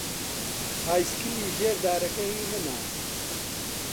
پایسکلی ژێر دارەکە هیی منە.